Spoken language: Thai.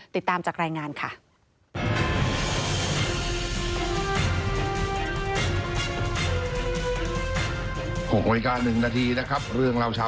ติดตามจากรายงานค่ะ